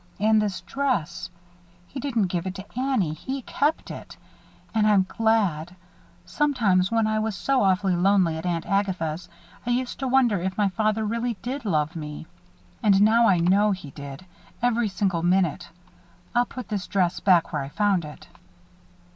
And this dress. He didn't give it to Annie. He kept it. And I'm glad. Sometimes, when I was so awfully lonesome at Aunt Agatha's, I used to wonder if my father really did love me. But now I know he did every single minute. I'll put this dress back where I found it."